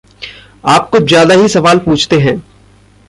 आप कुछ ज़्यादा ही सवाल पूछते हैं।